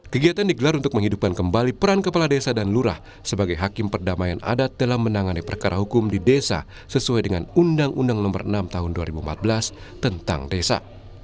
kegiatan digelar untuk menghidupkan kembali peran kepala desa dan lurah sebagai hakim perdamaian adat dalam menangani perkara hukum di desa sesuai dengan undang undang nomor enam tahun dua ribu empat belas tentang desa